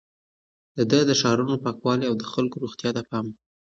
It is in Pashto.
ده د ښارونو پاکوالي او د خلکو روغتيا ته پام کاوه.